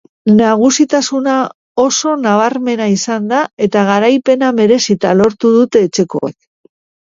Nagusitasuna oso nabarmena izan da eta garaipena merezita lortu dute etxekoek.